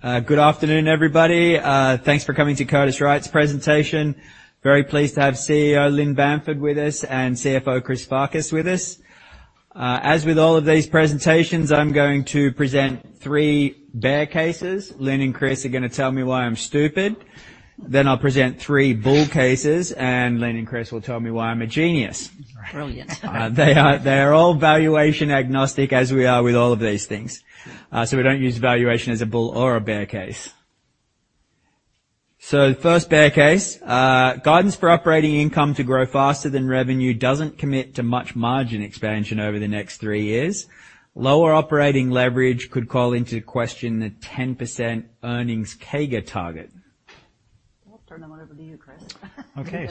Good afternoon, everybody. Thanks for coming to Curtiss-Wright's presentation. Very pleased to have CEO Lynn Bamford with us and CFO Chris Farkas with us. As with all of these presentations, I'm going to present three bear cases. Lynn and Chris are gonna tell me why I'm stupid. Then I'll present three bull cases, and Lynn and Chris will tell me why I'm a genius. Brilliant. They are, they are all valuation agnostic, as we are with all of these things. So we don't use valuation as a bull or a bear case. So the first bear case, guidance for operating income to grow faster than revenue doesn't commit to much margin expansion over the next three years. Lower operating leverage could call into question the 10% earnings CAGR target. I'll turn them over to you, Chris. Okay,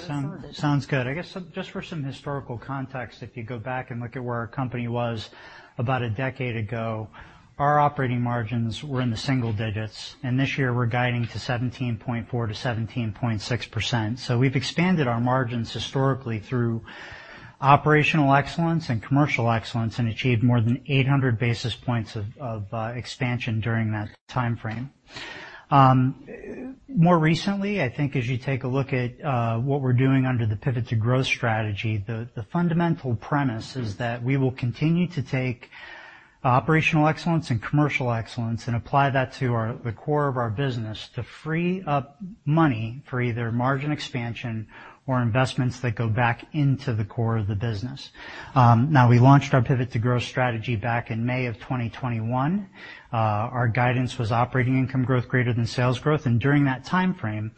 sounds good. I guess, so just for some historical context, if you go back and look at where our company was about a decade ago, our operating margins were in the single digits, and this year we're guiding to 17.4%-17.6%. So we've expanded our margins historically through operational excellence and commercial excellence and achieved more than 800 basis points of expansion during that timeframe. More recently, I think as you take a look at what we're doing under the Pivot to Growth strategy, the fundamental premise is that we will continue to take operational excellence and commercial excellence and apply that to our the core of our business, to free up money for either margin expansion or investments that go back into the core of the business. Now, we launched our Pivot to Growth strategy back in May of 2021. Our guidance was operating income growth greater than sales growth, and during that timeframe,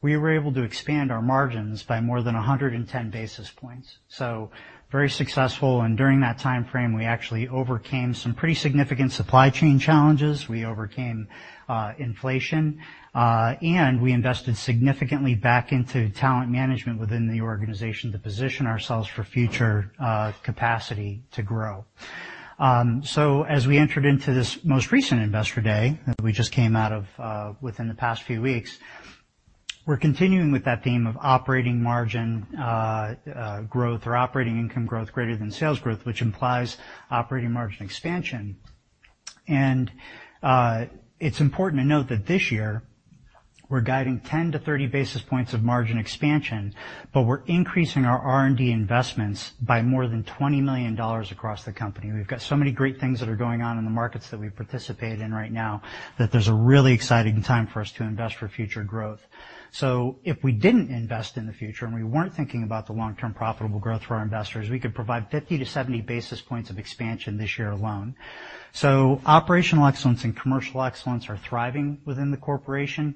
we were able to expand our margins by more than 110 basis points. So very successful, and during that timeframe, we actually overcame some pretty significant supply chain challenges. We overcame inflation, and we invested significantly back into talent management within the organization to position ourselves for future capacity to grow. So as we entered into this most recent Investor Day, that we just came out of, within the past few weeks, we're continuing with that theme of operating margin growth or operating income growth greater than sales growth, which implies operating margin expansion. It's important to note that this year, we're guiding 10-30 basis points of margin expansion, but we're increasing our R&D investments by more than $20 million across the company. We've got so many great things that are going on in the markets that we participate in right now, that there's a really exciting time for us to invest for future growth. If we didn't invest in the future, and we weren't thinking about the long-term profitable growth for our investors, we could provide 50-70 basis points of expansion this year alone. Operational excellence and commercial excellence are thriving within the corporation,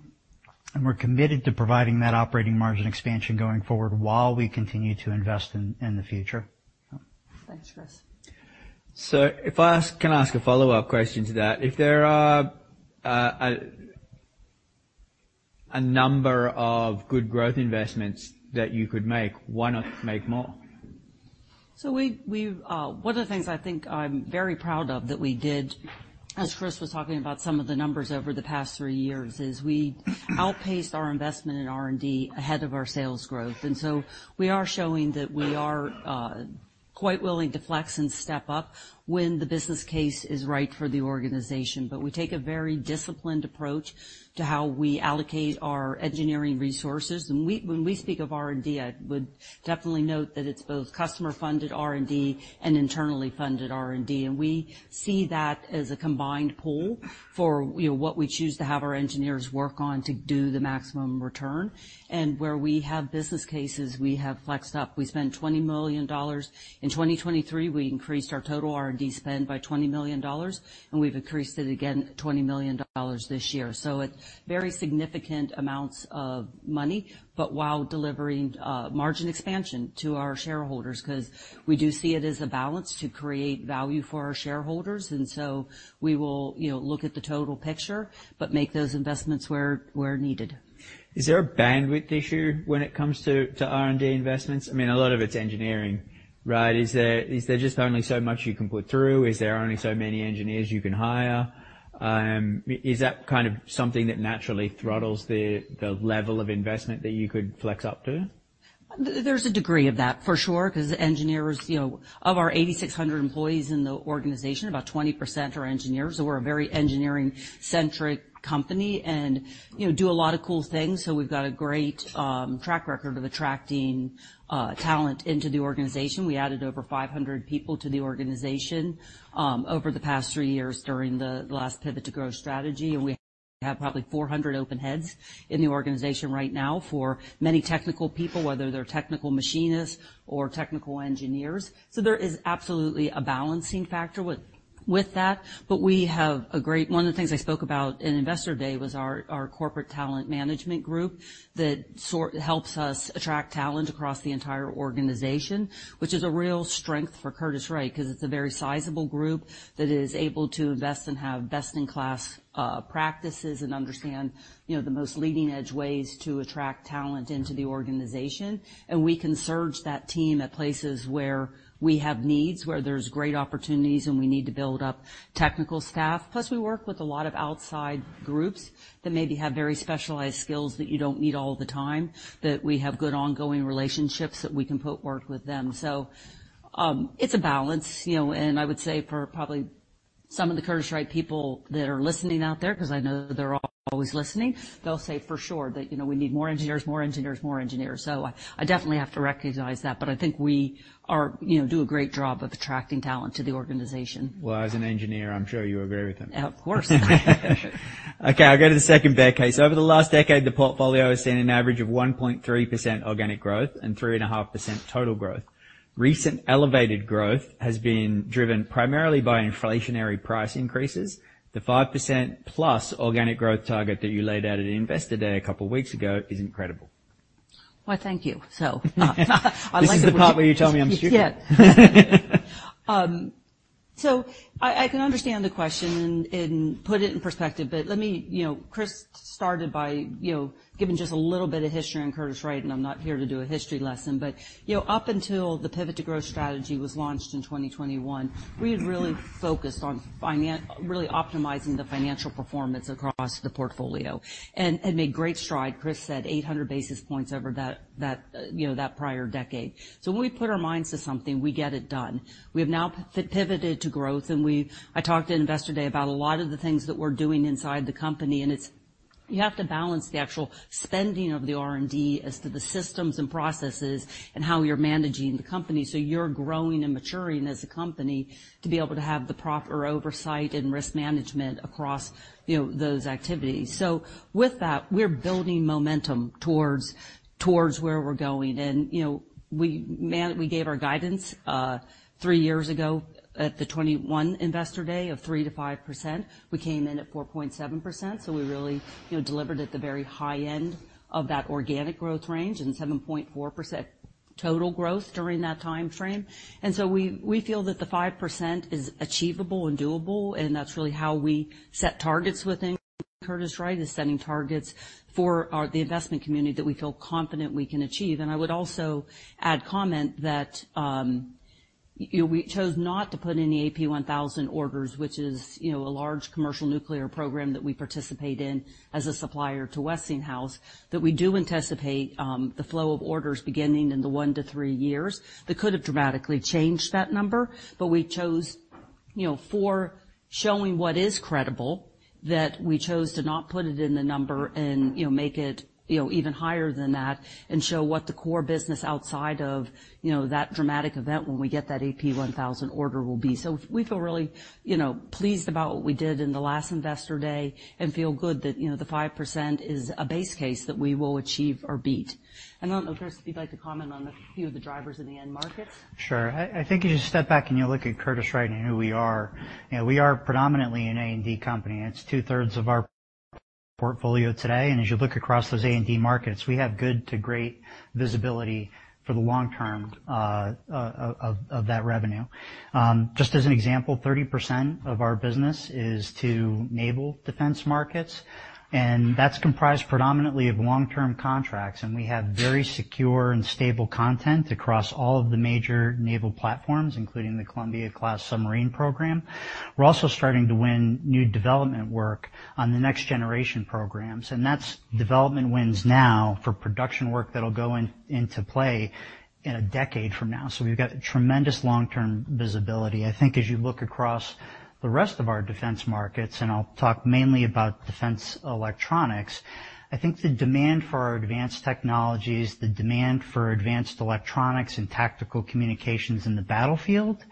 and we're committed to providing that operating margin expansion going forward while we continue to invest in the future. Thanks, Chris. So if I ask. Can I ask a follow-up question to that? If there are a number of good growth investments that you could make, why not make more? So we, one of the things I think I'm very proud of that we did, as Chris was talking about some of the numbers over the past three years, is we outpaced our investment in R&D ahead of our sales growth, and so we are showing that we are quite willing to flex and step up when the business case is right for the organization. But we take a very disciplined approach to how we allocate our engineering resources, and we, when we speak of R&D, I would definitely note that it's both customer-funded R&D and internally funded R&D. And we see that as a combined pool for, you know, what we choose to have our engineers work on to do the maximum return. And where we have business cases, we have flexed up. We spent $20 million. In 2023, we increased our total R&D spend by $20 million, and we've increased it again, $20 million this year. So it's very significant amounts of money, but while delivering margin expansion to our shareholders, 'cause we do see it as a balance to create value for our shareholders, and so we will, you know, look at the total picture, but make those investments where, where needed. Is there a bandwidth issue when it comes to R&D investments? I mean, a lot of it's engineering, right? Is there just only so much you can put through? Is there only so many engineers you can hire? Is that kind of something that naturally throttles the level of investment that you could flex up to? There's a degree of that, for sure, 'cause engineers, you know. Of our 8,600 employees in the organization, about 20% are engineers, so we're a very engineering-centric company and, you know, do a lot of cool things. So we've got a great track record of attracting talent into the organization. We added over 500 people to the organization over the past three years during the last Pivot to Growth strategy, and we have probably 400 open heads in the organization right now for many technical people, whether they're technical machinists or technical engineers. So there is absolutely a balancing factor with that, but we have a great. One of the things I spoke about in Investor Day was our corporate talent management group that helps us attract talent across the entire organization, which is a real strength for Curtiss-Wright, 'cause it's a very sizable group that is able to invest and have best-in-class practices and understand, you know, the most leading-edge ways to attract talent into the organization. And we can surge that team at places where we have needs, where there's great opportunities, and we need to build up technical staff. Plus, we work with a lot of outside groups that maybe have very specialized skills that you don't need all the time, that we have good ongoing relationships, that we can put work with them. So, it's a balance, you know, and I would say for probably some of the Curtiss-Wright people that are listening out there, 'cause I know they're always listening, they'll say, for sure, that, you know, we need more engineers, more engineers, more engineers. So I definitely have to recognize that, but I think we are, you know, do a great job of attracting talent to the organization. Well, as an engineer, I'm sure you agree with them. Of course. Okay, I'll go to the second bear case. Over the last decade, the portfolio has seen an average of 1.3% organic growth and 3.5% total growth. Recent elevated growth has been driven primarily by inflationary price increases. The 5%+ organic growth target that you laid out at Investor Day a couple of weeks ago is incredible. Why, thank you. So, I'd like. This is the part where you tell me I'm stupid. Yeah. So I can understand the question and put it in perspective, but let me, you know, Chris started by, you know, giving just a little bit of history on Curtiss-Wright, and I'm not here to do a history lesson. But, you know, up until the Pivot to Growth strategy was launched in 2021, we had really focused on really optimizing the financial performance across the portfolio and made great stride. Chris said 800 basis points over that, you know, that prior decade. So when we put our minds to something, we get it done. We have now pivoted to growth, and we've, I talked to Investor Day about a lot of the things that we're doing inside the company, and it's. You have to balance the actual spending of the R&D as to the systems and processes and how you're managing the company, so you're growing and maturing as a company to be able to have the proper oversight and risk management across, you know, those activities. So with that, we're building momentum towards where we're going. And, you know, we gave our guidance three years ago at the 2021 Investor Day of 3%-5%. We came in at 4.7%, so we really, you know, delivered at the very high end of that organic growth range and 7.4% total growth during that time frame. So we feel that the 5% is achievable and doable, and that's really how we set targets within Curtiss-Wright, is setting targets for our, the investment community that we feel confident we can achieve. And I would also add comment that, you know, we chose not to put any AP1000 orders, which is, you know, a large commercial nuclear program that we participate in as a supplier to Westinghouse, that we do anticipate the flow of orders beginning in the one to three years. That could have dramatically changed that number, but we chose, you know, for showing what is credible, that we chose to not put it in the number and, you know, make it, you know, even higher than that and show what the core business outside of, you know, that dramatic event when we get that AP1000 order will be. So we feel really, you know, pleased about what we did in the last Investor Day and feel good that, you know, the 5% is a base case that we will achieve or beat. I don't know, Chris, if you'd like to comment on a few of the drivers in the end markets. Sure. I think if you just step back and you look at Curtiss-Wright and who we are, you know, we are predominantly an A&D company. It's 2/3 of our portfolio today, and as you look across those A&D markets, we have good to great visibility for the long term of that revenue. Just as an example, 30% of our business is to naval defense markets, and that's comprised predominantly of long-term contracts, and we have very secure and stable content across all of the major naval platforms, including the Columbia-class submarine program. We're also starting to win new development work on the next generation programs, and that's development wins now for production work that'll go in, into play in a decade from now. So we've got tremendous long-term visibility. I think as you look across the rest of our defense markets, and I'll talk mainly about defense electronics, I think the demand for our advanced technologies, the demand for advanced electronics and tactical communications in the battlefield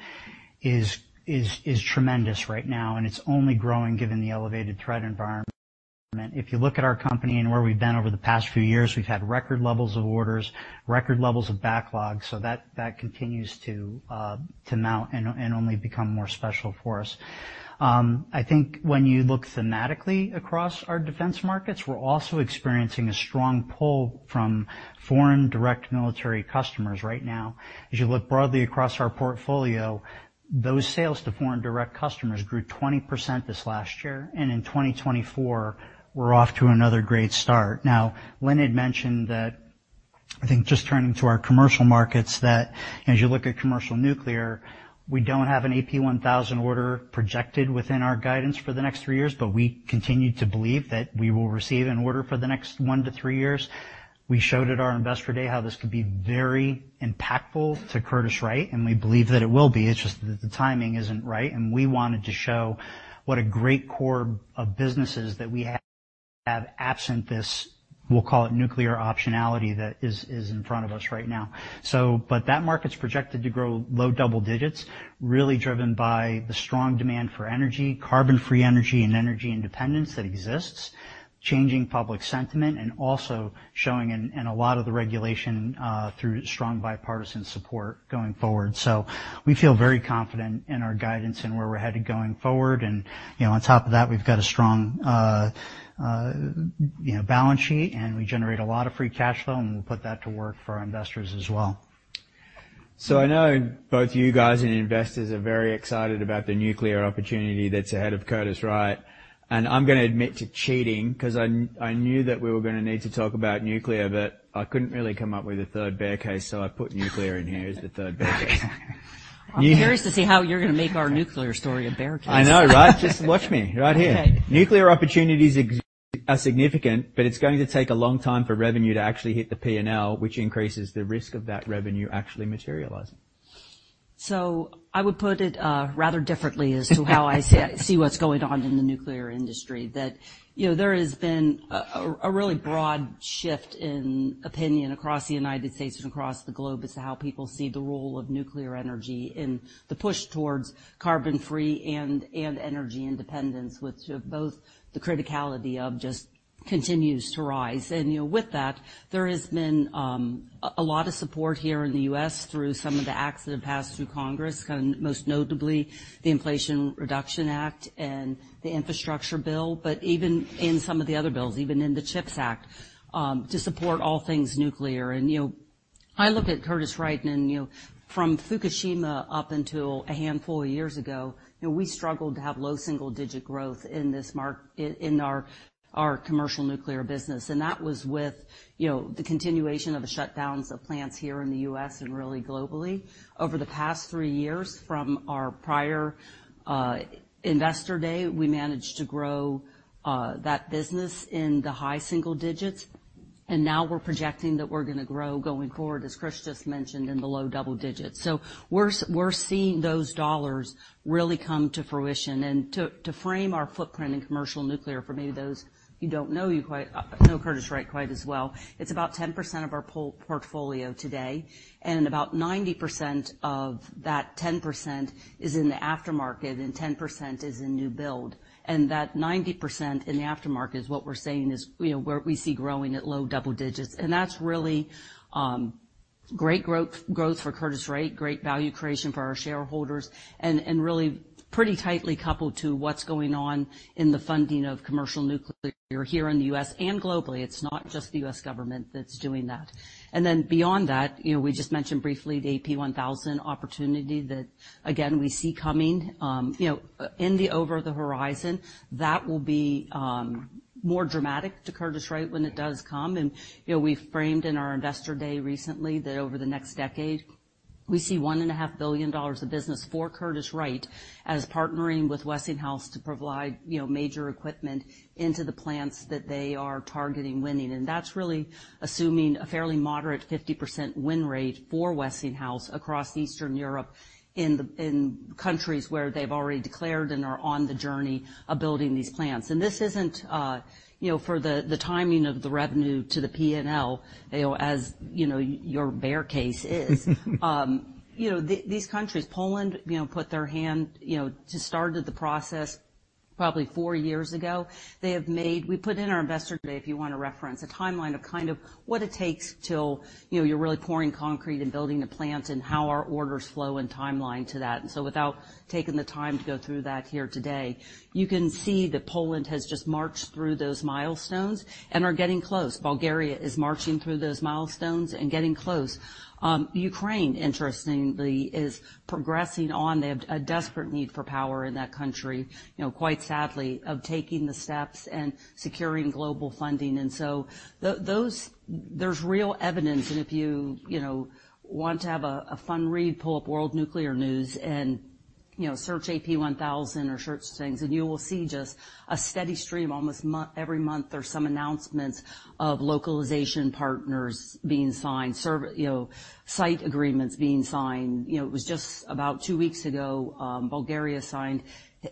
is tremendous right now, and it's only growing given the elevated threat environment. If you look at our company and where we've been over the past few years, we've had record levels of orders, record levels of backlogs, so that continues to mount and only become more special for us. I think when you look thematically across our defense markets, we're also experiencing a strong pull from foreign direct military customers right now. As you look broadly across our portfolio, those sales to foreign direct customers grew 20% this last year, and in 2024, we're off to another great start. Now, Lynn had mentioned that, I think, just turning to our commercial markets, that as you look at commercial nuclear, we don't have an AP1000 order projected within our guidance for the next three years, but we continue to believe that we will receive an order for the next one to three years. We showed at our Investor Day how this could be very impactful to Curtiss-Wright, and we believe that it will be. It's just that the timing isn't right, and we wanted to show what a great core of businesses that we have absent this, we'll call it, nuclear optionality that is, is in front of us right now. So but that market's projected to grow low double digits, really driven by the strong demand for energy, carbon-free energy, and energy independence that exists, changing public sentiment, and also showing in, in a lot of the regulation, through strong bipartisan support going forward. So we feel very confident in our guidance and where we're headed going forward. And, you know, on top of that, we've got a strong, you know, balance sheet, and we generate a lot of free cash flow, and we'll put that to work for our investors as well. So I know both you guys and investors are very excited about the nuclear opportunity that's ahead of Curtiss-Wright. And I'm gonna admit to cheating 'cause I, I knew that we were gonna need to talk about nuclear, but I couldn't really come up with a third bear case, so I put nuclear in here as the third bear case. I'm curious to see how you're gonna make our nuclear story a bear case. I know, right? Just watch me right here. Okay. Nuclear opportunities are significant, but it's going to take a long time for revenue to actually hit the P&L, which increases the risk of that revenue actually materializing. So I would put it rather differently as to how I see what's going on in the nuclear industry. That, you know, there has been a really broad shift in opinion across the United States and across the globe as to how people see the role of nuclear energy in the push towards carbon-free and energy independence, which both the criticality of just continues to rise. And, you know, with that, there has been a lot of support here in the U.S. through some of the acts that have passed through Congress, kind of most notably the Inflation Reduction Act and the Infrastructure Bill, but even in some of the other bills, even in the CHIPS Act, to support all things nuclear. You know, I look at Curtiss-Wright, and, you know, from Fukushima up until a handful of years ago, you know, we struggled to have low single-digit growth in this market in our commercial nuclear business. That was with, you know, the continuation of the shutdowns of plants here in the U.S. and really globally. Over the past three years, from our prior Investor Day, we managed to grow that business in the high single digits, and now we're projecting that we're gonna grow going forward, as Chris just mentioned, in the low double digits. So we're seeing those dollars really come to fruition. To frame our footprint in commercial nuclear, for maybe those who don't know you quite know Curtiss-Wright quite as well, it's about 10% of our portfolio today, and about 90% of that 10% is in the aftermarket, and 10% is in new build. That 90% in the aftermarket is what we're saying is, you know, where we see growing at low double digits. That's really great growth for Curtiss-Wright, great value creation for our shareholders, and really pretty tightly coupled to what's going on in the funding of commercial nuclear here in the U.S. and globally. It's not just the U.S. government that's doing that. Then, beyond that, you know, we just mentioned briefly the AP1000 opportunity that, again, we see coming. You know, in the over-the-horizon, that will be more dramatic to Curtiss-Wright when it does come. And you know, we framed in our Investor Day recently that over the next decade, we see $1.5 billion of business for Curtiss-Wright as partnering with Westinghouse to provide, you know, major equipment into the plants that they are targeting winning. And that's really assuming a fairly moderate 50% win rate for Westinghouse across Eastern Europe, in the countries where they've already declared and are on the journey of building these plants. And this isn't, you know, for the timing of the revenue to the P&L, you know, as your bear case is. You know, these countries, Poland, you know, put their hand, you know, to start the process probably four years ago. They have made. We put in our Investor Day, if you wanna reference, a timeline of kind of what it takes till, you know, you're really pouring concrete and building the plants, and how our orders flow and timeline to that. And so, without taking the time to go through that here today, you can see that Poland has just marched through those milestones and are getting close. Bulgaria is marching through those milestones and getting close. Ukraine, interestingly, is progressing on. They have a desperate need for power in that country, you know, quite sadly, of taking the steps and securing global funding. And so, those, there's real evidence, and if you, you know, want to have a fun read, pull up World Nuclear News and, you know, search AP1000 or search things, and you will see just a steady stream. Almost every month, there's some announcements of localization partners being signed, you know, site agreements being signed. You know, it was just about two weeks ago, Bulgaria signed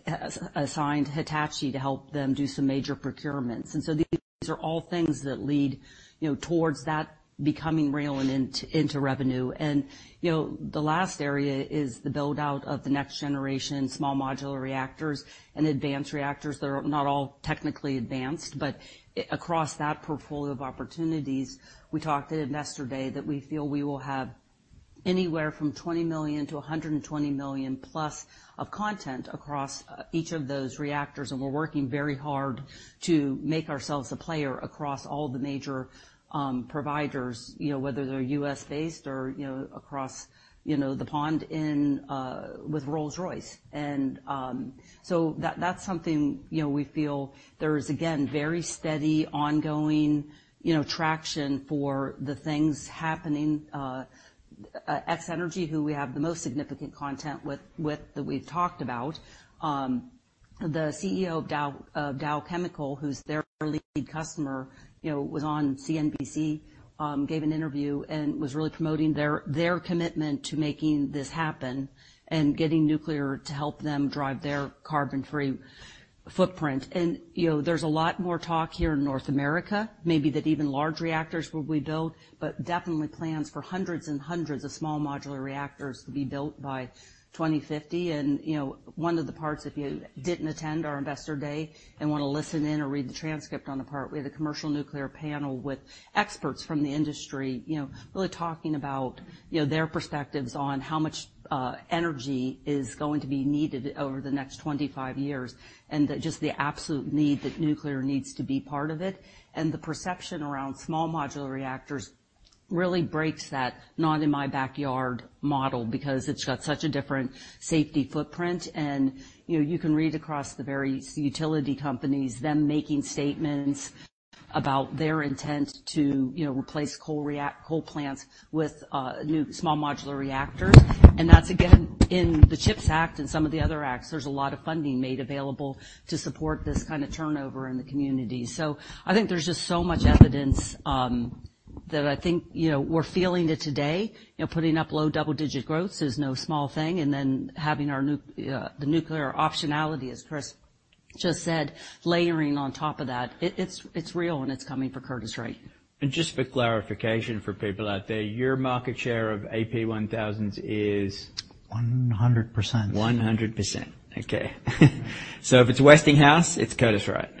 Hitachi to help them do some major procurements. And so these are all things that lead, you know, towards that becoming real and into revenue. And, you know, the last area is the build-out of the next generation small modular reactors and advanced reactors that are not all technically advanced. But across that portfolio of opportunities, we talked at Investor Day that we feel we will have anywhere from $20 million-$120+ million of content across each of those reactors, and we're working very hard to make ourselves a player across all the major providers, you know, whether they're U.S.-based or, you know, across the pond in with Rolls-Royce. And so that, that's something, you know, we feel there is, again, very steady, ongoing traction for the things happening. X-energy, who we have the most significant content with that we've talked about, the CEO of Dow, of Dow Chemical, who's their lead customer, you know, was on CNBC, gave an interview and was really promoting their commitment to making this happen and getting nuclear to help them drive their carbon-free footprint. You know, there's a lot more talk here in North America, maybe that even large reactors will be built, but definitely plans for hundreds and hundreds of small modular reactors to be built by 2050. You know, one of the parts, if you didn't attend our Investor Day and want to listen in or read the transcript on the part, we had a commercial nuclear panel with experts from the industry, you know, really talking about, you know, their perspectives on how much energy is going to be needed over the next 25 years, and the, just the absolute need that nuclear needs to be part of it. And the perception around small modular reactors really breaks that not-in-my-backyard model because it's got such a different safety footprint. And, you know, you can read across the various utility companies, them making statements about their intent to, you know, replace coal plants with new small modular reactors. And that's, again, in the CHIPS Act and some of the other acts, there's a lot of funding made available to support this kind of turnover in the community. So I think there's just so much evidence that I think, you know, we're feeling it today. You know, putting up low double-digit growth is no small thing, and then having our nuclear optionality, as Chris just said, layering on top of that. It, it's, it's real, and it's coming for Curtiss-Wright. Just for clarification for people out there, your market share of AP1000 is? 100%. 100%. Okay. So if it's Westinghouse, it's Curtiss-Wright.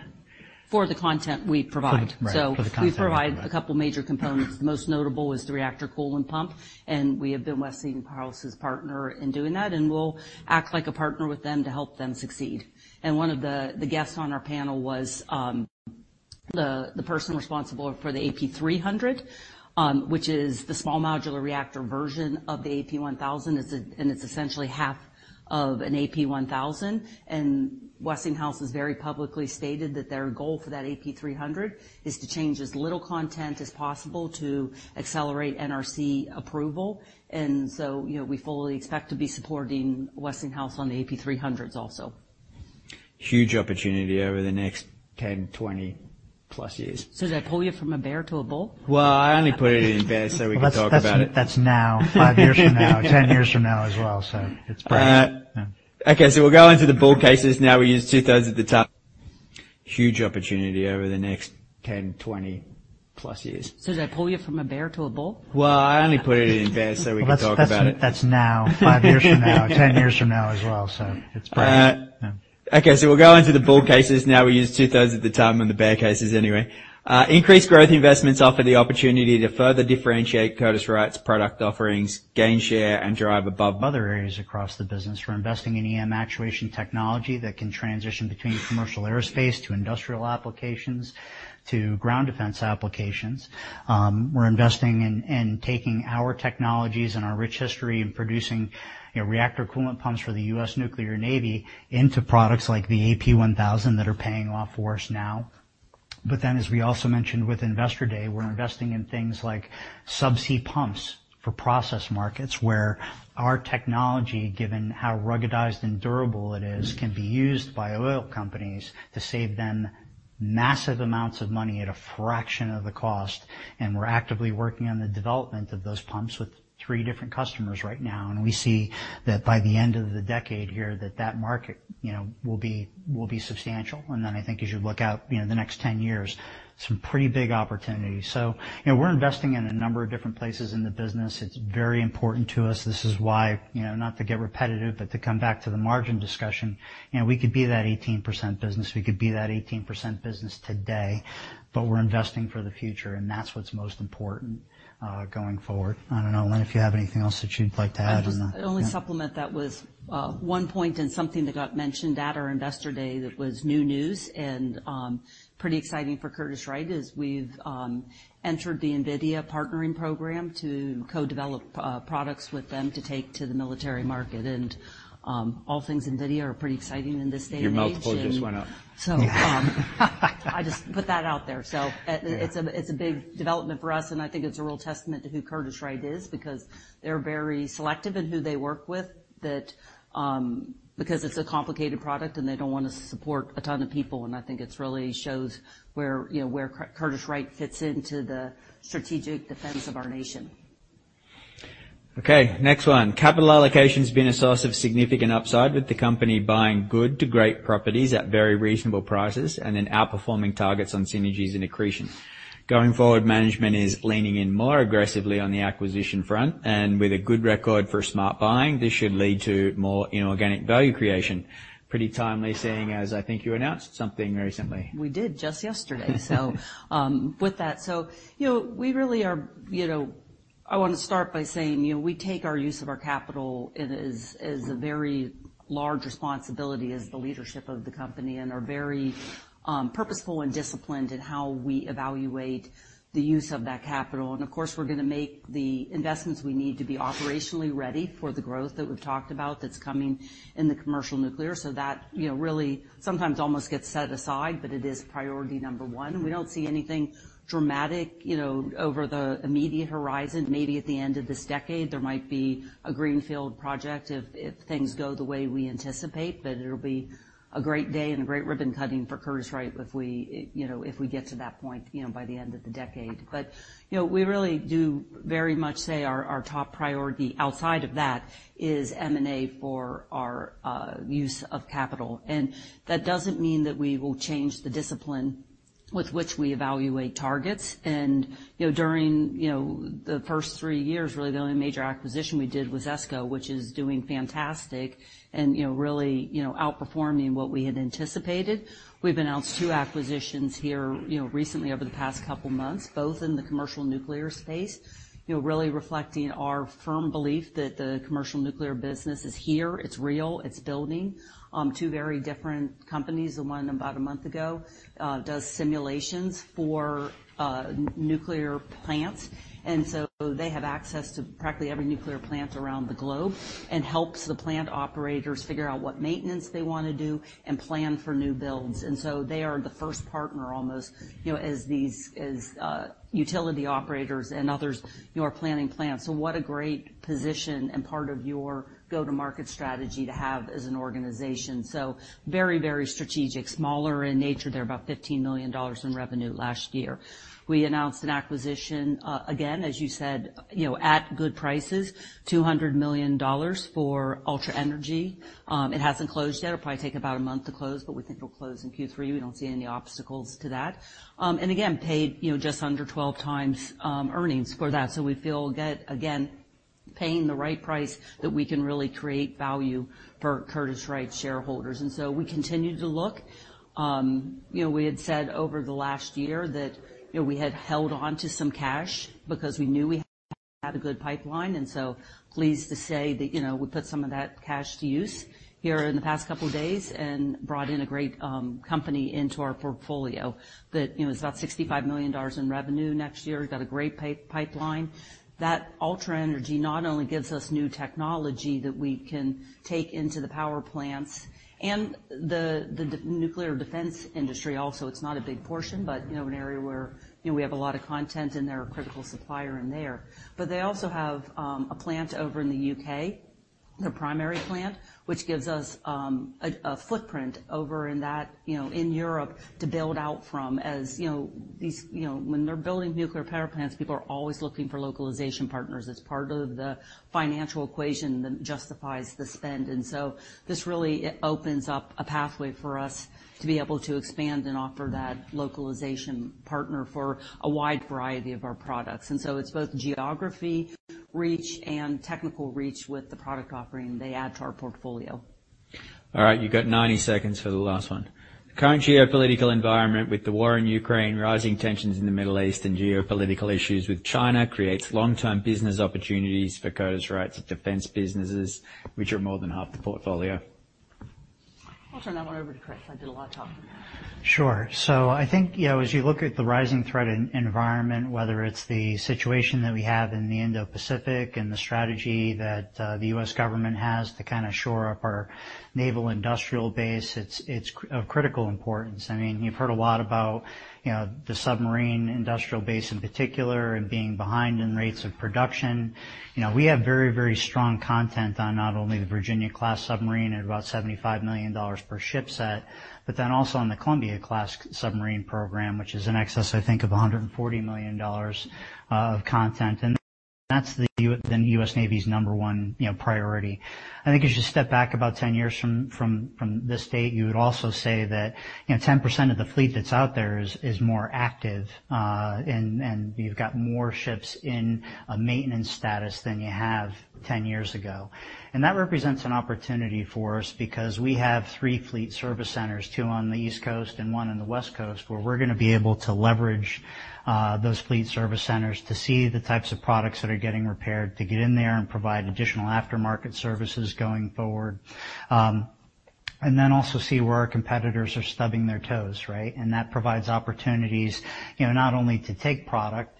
For the content we provide. For the content. So we provide a couple major components. The most notable is the reactor coolant pump, and we have been Westinghouse's partner in doing that, and we'll act like a partner with them to help them succeed. One of the guests on our panel was the person responsible for the AP300, which is the small modular reactor version of the AP1000. It's, and it's essentially half of an AP1000, and Westinghouse has very publicly stated that their goal for that AP300 is to change as little content as possible to accelerate NRC approval. And so, you know, we fully expect to be supporting Westinghouse on the AP300s also. Huge opportunity over the next 10, 20+ years. So did I pull you from a bear to a bull? Well, I only put it in bear so we could talk about it. That's now, five years from now, 10 years from now as well, so it's pretty, yeah. Okay, so we'll go into the bull cases now. We used 2/3 at the top. Huge opportunity over the next 10, 20+ years. So did I pull you from a bear to a bull? Well, I only put it in bear so we could talk about it. That's now, five years from now, 10 years from now as well, so it's pretty, yeah. Okay, so we'll go into the bull cases now. We used 2/3 at the time on the bear cases anyway. Increased growth investments offer the opportunity to further differentiate Curtiss-Wright's product offerings, gain share, and drive above. Other areas across the business. We're investing in EM actuation technology that can transition between commercial aerospace to industrial applications to ground defense applications. We're investing in taking our technologies and our rich history in producing, you know, reactor coolant pumps for the U.S. Nuclear Navy into products like the AP1000 that are paying off for us now. But then, as we also mentioned with Investor Day, we're investing in things like subsea pumps for process markets, where our technology, given how ruggedized and durable it is, can be used by oil companies to save them massive amounts of money at a fraction of the cost, and we're actively working on the development of those pumps with three different customers right now. And we see that by the end of the decade here, that market, you know, will be substantial. Then I think as you look out, you know, the next 10 years, some pretty big opportunities. So, you know, we're investing in a number of different places in the business. It's very important to us. This is why, you know, not to get repetitive, but to come back to the margin discussion, you know, we could be that 18% business, we could be that 18% business today, but we're investing for the future, and that's what's most important, going forward. I don't know, Lynn, if you have anything else that you'd like to add in there? I'll just only supplement that with one point and something that got mentioned at our Investor Day that was new news, and pretty exciting for Curtiss-Wright, is we've entered the NVIDIA partnering program to co-develop products with them to take to the military market. All things NVIDIA are pretty exciting in this day and age. Your mouth just went up. I just put that out there. It's a big development for us, and I think it's a real testament to who Curtiss-Wright is, because they're very selective in who they work with, because it's a complicated product, and they don't wanna support a ton of people. I think it really shows where, you know, where Curtiss-Wright fits into the strategic defense of our nation. Okay, next one. Capital allocation's been a source of significant upside, with the company buying good to great properties at very reasonable prices and then outperforming targets on synergies and accretion. Going forward, management is leaning in more aggressively on the acquisition front, and with a good record for smart buying, this should lead to more inorganic value creation. Pretty timely, seeing as I think you announced something recently. We did, just yesterday. With that, you know, we really are, you know. I wanna start by saying, you know, we take our use of our capital as a very large responsibility as the leadership of the company, and are very purposeful and disciplined in how we evaluate the use of that capital. Of course, we're gonna make the investments we need to be operationally ready for the growth that we've talked about that's coming in the commercial nuclear. So that, you know, really sometimes almost gets set aside, but it is priority number one. We don't see anything dramatic, you know, over the immediate horizon. Maybe at the end of this decade, there might be a greenfield project if, if things go the way we anticipate, but it'll be a great day and a great ribbon cutting for Curtiss-Wright if we, you know, if we get to that point, you know, by the end of the decade. But, you know, we really do very much say our, our top priority outside of that is M&A for our use of capital. And that doesn't mean that we will change the discipline with which we evaluate targets. And, you know, during, you know, the first three years, really, the only major acquisition we did was ESCO, which is doing fantastic and, you know, really, you know, outperforming what we had anticipated. We've announced two acquisitions here, you know, recently, over the past couple months, both in the commercial nuclear space. You know, really reflecting our firm belief that the commercial nuclear business is here, it's real, it's building. Two very different companies. The one about a month ago does simulations for nuclear plants, and so they have access to practically every nuclear plant around the globe and helps the plant operators figure out what maintenance they wanna do and plan for new builds. And so they are the first partner almost, you know, as these, as utility operators and others, you know, are planning plants. So what a great position and part of your go-to-market strategy to have as an organization. So very, very strategic. Smaller in nature. They're about $15 million in revenue last year. We announced an acquisition, again, as you said, you know, at good prices, $200 million for Ultra Energy. It hasn't closed yet. It'll probably take about a month to close, but we think it'll close in Q3. We don't see any obstacles to that. Again, paid, you know, just under 12 times earnings for that. So we feel good, again, paying the right price, that we can really create value for Curtiss-Wright shareholders. So we continue to look. You know, we had said over the last year that, you know, we had held on to some cash because we knew we had a good pipeline, and so pleased to say that, you know, we put some of that cash to use here in the past couple of days and brought in a great company into our portfolio that, you know, is about $65 million in revenue next year. We've got a great pipeline. That Ultra Energy not only gives us new technology that we can take into the power plants and the nuclear defense industry also. It's not a big portion, but you know, an area where you know, we have a lot of content, and they're a critical supplier in there. But they also have a plant over in the U.K., their primary plant, which gives us a footprint over in that you know, in Europe, to build out from. As you know, these you know, when they're building nuclear power plants, people are always looking for localization partners. It's part of the financial equation that justifies the spend. And so this really it opens up a pathway for us to be able to expand and offer that localization partner for a wide variety of our products. It's both geographic reach and technical reach with the product offering they add to our portfolio. All right, you've got 90 seconds for the last one. The current geopolitical environment, with the war in Ukraine, rising tensions in the Middle East, and geopolitical issues with China, creates long-term business opportunities for Curtiss-Wright's defense businesses, which are more than half the portfolio. I'll turn that one over to Chris. I did a lot of talking. Sure. So I think, you know, as you look at the rising threat environment, whether it's the situation that we have in the Indo-Pacific and the strategy that the U.S. government has to kinda shore up our naval industrial base, it's, it's of critical importance. I mean, you've heard a lot about, you know, the submarine industrial base in particular, and being behind in rates of production. You know, we have very, very strong content on not only the Virginia-class submarine at about $75 million per ship set, but then also on the Columbia-class submarine program, which is in excess, I think, of $140 million of content, and that's the U.S. Navy's number one, you know, priority. I think if you just step back about 10 years from this date, you would also say that, you know, 10% of the fleet that's out there is more active, and you've got more ships in a maintenance status than you have 10 years ago. And that represents an opportunity for us because we have three fleet service centers, two on the East Coast and one on the West Coast, where we're gonna be able to leverage those fleet service centers to see the types of products that are getting repaired, to get in there and provide additional aftermarket services going forward. And then also see where our competitors are stubbing their toes, right? That provides opportunities, you know, not only to take product,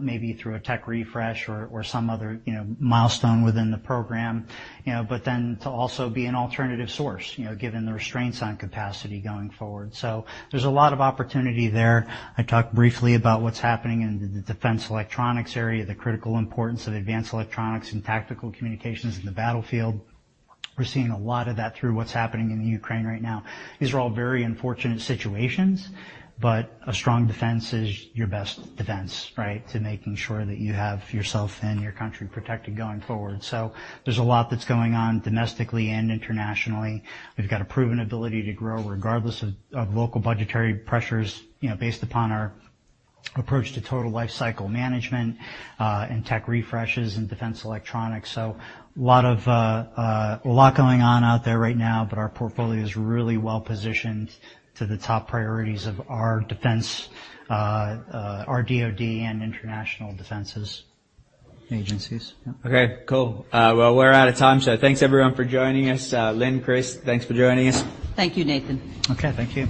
maybe through a tech refresh or some other, you know, milestone within the program, you know, but then to also be an alternative source, you know, given the restraints on capacity going forward. So there's a lot of opportunity there. I talked briefly about what's happening in the defense electronics area, the critical importance of advanced electronics and tactical communications in the battlefield. We're seeing a lot of that through what's happening in the Ukraine right now. These are all very unfortunate situations, but a strong defense is your best defense, right, to making sure that you have yourself and your country protected going forward. So there's a lot that's going on domestically and internationally. We've got a proven ability to grow regardless of local budgetary pressures, you know, based upon our approach to total lifecycle management, and tech refreshes and defense electronics. So a lot going on out there right now, but our portfolio is really well positioned to the top priorities of our defense, our DoD and international defense agencies. Okay, cool. Well, we're out of time, so thanks everyone for joining us. Lynn, Chris, thanks for joining us. Thank you, Nathan. Okay, thank you.